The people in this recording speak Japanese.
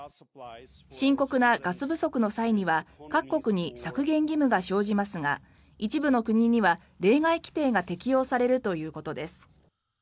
深刻なガス不足の際には各国に削減義務が生じますが一部の国には例外規定が適用されるということです。